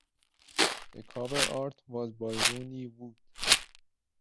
The cover art was by Ronnie Wood.